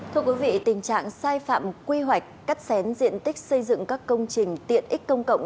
thưa quý vị tình trạng sai phạm quy hoạch cắt xén diện tích xây dựng các công trình tiện ích công cộng